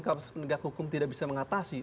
kopsus penindakan hukum tidak bisa mengatasi